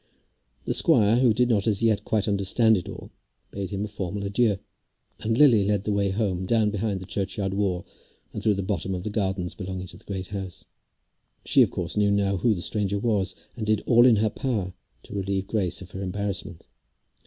The squire, who did not as yet quite understand it all, bade him a formal adieu, and Lily led the way home down behind the churchyard wall and through the bottom of the gardens belonging to the Great House. She of course knew now who the stranger was, and did all in her power to relieve Grace of her embarrassment.